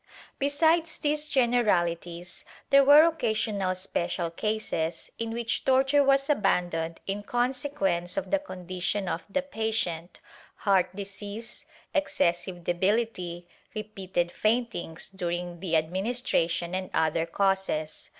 * Besides these generalities, there were occasional special cases in which torture was abandoned in consequence of the condition of the patient — heart disease, excessive debihty, repeated faint ings during the administration and other causes.